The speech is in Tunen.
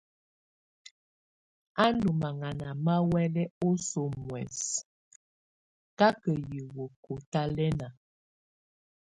Á ndɔ́ maŋaná má huɛ̀lɛ́ oso muɛ̀sɛ káká hiwǝ́ kɔ́tálɛ́na.